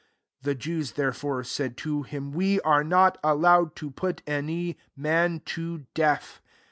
The Jews, therefore, said to him, " We are not allowed to put any man to death."